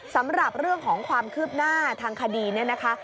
สำหรับเรื่องของความคืบหน้าทางคดีเนี่ยนะคะ